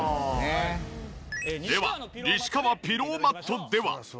では西川ピローマットでは。